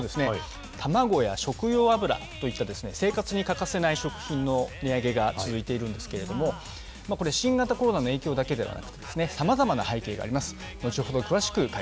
たまごや食用油といった生活に欠かせない食品の値上げが続いているんですけれども、これ、新型コロナの影響だけではなくて、さまざまな背景があります。